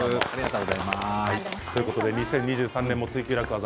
２０２３年の「ツイＱ楽ワザ」